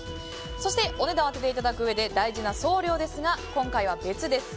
そしてお値段を当てていただくうえで大事な送料ですが今回は別です。